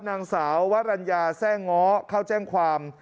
นางสาววรรณญาแทร่ง้อเข้าแจ้งความ